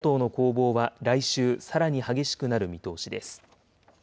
与野党の攻防は来週、さらに激しくなる見通しです。